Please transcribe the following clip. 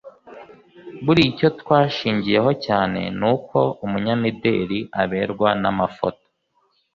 Buriya icyo twashingiyeho cyane ni uko umunyamideli aberwa n’amafoto